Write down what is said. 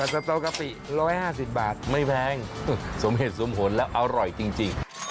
สตอกะปิ๑๕๐บาทไม่แพงสมเหตุสมผลแล้วอร่อยจริง